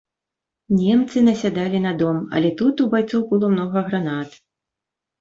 Немцы насядалі на дом, але тут у байцоў было многа гранат.